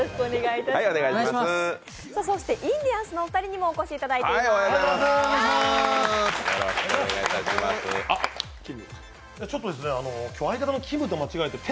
インディアンスのお二人にもお越しいただいています。